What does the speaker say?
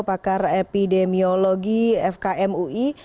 pakar epidemiologi fkm ui